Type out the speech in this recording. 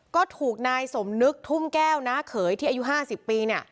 ก็ถูกนายสมนึกทุ่มแก้วน้าเขยที่อายุ๕๐ปี